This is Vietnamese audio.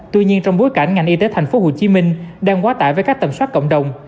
tuy nhiên trong bối cảnh ngành y tế thành phố hồ chí minh đang quá tải với các tầm soát cộng đồng